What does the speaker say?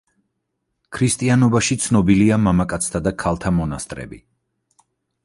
ქრისტიანობაში ცნობილია მამაკაცთა და ქალთა მონასტრები.